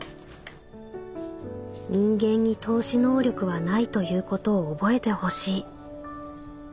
「人間に透視能力はないということを覚えてほしい」。